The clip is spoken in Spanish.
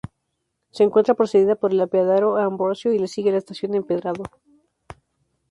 Se encuentra precedida por el Apeadero A. Ambrosio y le sigue la Estación Empedrado.